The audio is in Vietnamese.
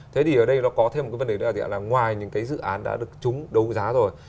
thế thì ở đây nó có thêm một cái vấn đề nữa là ngoài những cái dự án đã được chúng đấu giá rồi